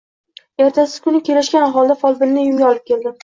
Ertasi kuni kelishgan holda folbinni uyimga olib keldim